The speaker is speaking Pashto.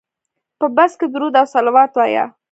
په بس کې درود او صلوات وایه.